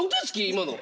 今の。